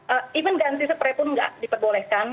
even ganti sepray pun nggak diperbolehkan